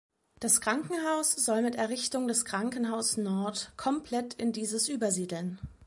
Das Krankenhaus soll mit Errichtung des Krankenhaus Nord komplett in dieses übersiedeln.